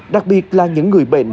đặc biệt là những người bệnh